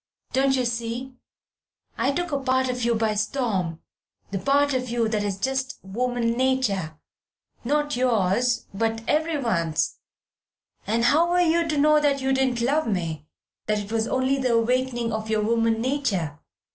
Don't you see I took part of you by storm, the part of you that is just woman nature, not yours but everyone's; and how were you to know that you didn't love me, that it was only the awakening of your woman nature?"